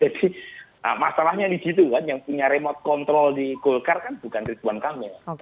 jadi masalahnya di situ kan yang punya remote control di golkar kan bukan ridwan kamil